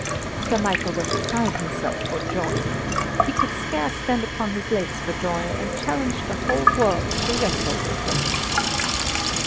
Sir Michael was beside himself for joy. He could scarce stand upon his legs for joy, and challenged the whole world to wrestle with him.